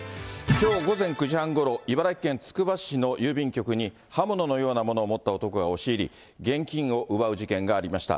きょう午前９時半ごろ、茨城県つくば市の郵便局に、刃物のようなものを持った男が押し入り、現金を奪う事件がありました。